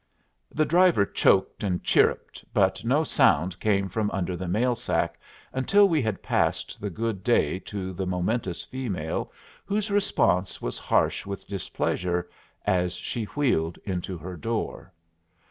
The driver choked and chirruped, but no sound came from under the mail sack until we had passed the good day to the momentous female, whose response was harsh with displeasure as she wheeled into her door.